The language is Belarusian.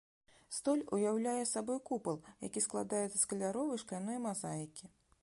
Столь уяўляе сабой купал, які складаецца з каляровай шкляной мазаікі.